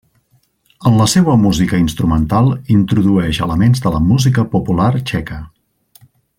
En la seua música instrumental introdueix elements de la música popular txeca.